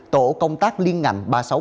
tổ công tác liên ngạnh ba trăm sáu mươi ba